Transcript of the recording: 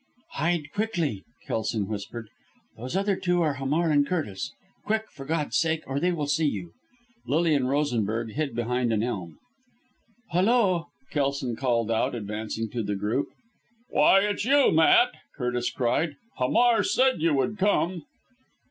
"Hide quickly," Kelson whispered, "those two are Hamar and Curtis. Quick, for God's sake or they will see you." Lilian Rosenberg hid behind an elm. "Hulloa!" Kelson called out, advancing to the group. "Why it's you, Matt!" Curtis cried. "Hamar said you would come!"